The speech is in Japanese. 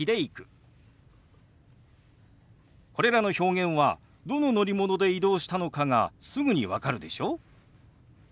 これらの表現はどの乗り物で移動したのかがすぐに分かるでしょ？